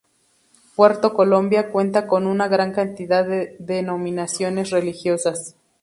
Puerto Colombia cuenta con una gran cantidad de denominaciones religiosas.